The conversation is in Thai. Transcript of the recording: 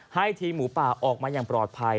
ให้ทีมหมูป่าออกมาอย่างปลอดภัย